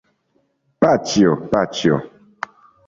Paĉjo, paĉjo!